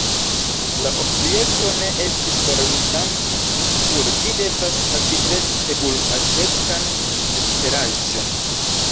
La objekto ne estis varmiĝanta, do ĝi devas havi tre spegul-aspektan eksteraĵon.